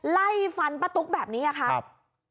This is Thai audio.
ไล่ฟันป้าตุ๊กแบบนี้ค่ะ